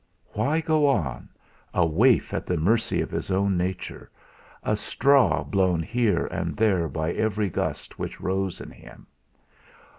Why go on a waif at the mercy of his own nature, a straw blown here and there by every gust which rose in him?